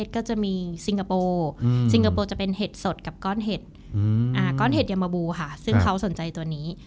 ก้อนเห็ดยามบูค่ะซึ่งเขาสนใจตัวนี้